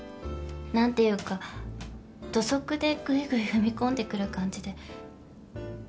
何ていうか土足でグイグイ踏み込んでくる感じで。